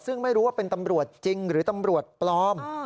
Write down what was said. ซึ่งไม่รู้ว่าเป็นตำรวจจริงหรือตำรวจปลอม